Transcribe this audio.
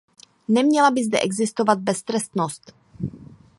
Neměla by zde existovat beztrestnost.